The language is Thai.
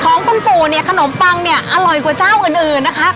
ของขนมปังของขนมปังเนี่ยอร่อยกว่าเจ้าเอิญอื่นนะคะ